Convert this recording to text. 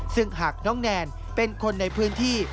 ซึ่งหากน้องแนนเป็นคนในพื้นที่